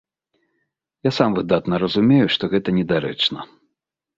Я сам выдатна разумею, што гэта недарэчна.